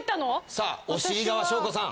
さあおしり川翔子さん。